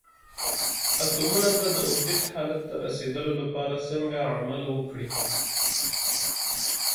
اتومونه به د اوکتیت حالت ته رسیدول لپاره څرنګه عمل وکړي؟